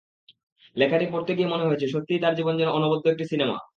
লেখাটি পড়তে গিয়ে মনে হয়েছে, সত্যিই তাঁর জীবন যেন অনবদ্য একটি সিনেমা।